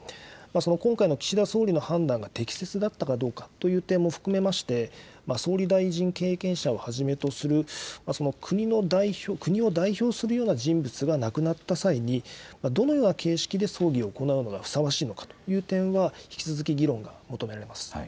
その今回の岸田総理の判断が適切だったかどうかという点も含めまして、総理大臣経験者をはじめとする、その国を代表するような人物が亡くなった際に、どのような形式で葬儀を行うのがふさわしいのかという点は、引き続き議論が求められます。